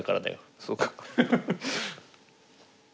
そうか。